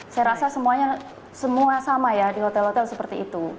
saya rasa semua sama ya di hotel hotel seperti itu